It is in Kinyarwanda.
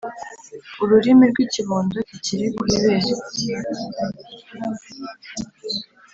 Ururimi rw’ikibondo kikiri ku ibere,